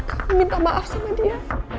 kamu minta maaf sama dia